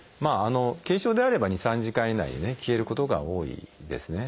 軽症であれば２３時間以内に消えることが多いですね。